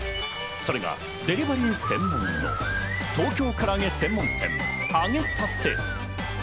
それがデリバリー専門の東京からあげ専門店あげたて。